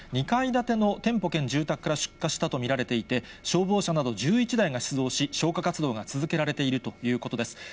２階建ての店舗兼住宅から出火したと見られていて、消防車など１１台が出動し、消火活動が続けられているということです。